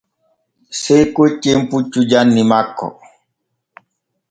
Sey koccen puccu janni makko.